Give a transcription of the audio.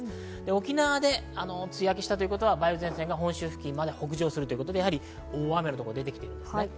沖縄で梅雨明けしたということは、梅雨前線が本州付近、北上するということで、大雨のところが出てきています。